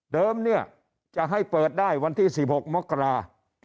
เนี่ยจะให้เปิดได้วันที่๑๖มกรา